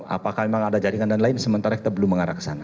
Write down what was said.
apakah memang ada jaringan dan lain sementara kita belum mengarah ke sana